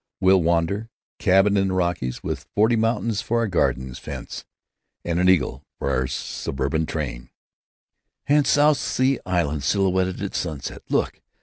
We'll wander: cabin in the Rockies, with forty mountains for our garden fence, and an eagle for our suburban train." "And South Sea islands silhouetted at sunset!... Look!